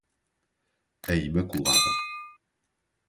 A imaculada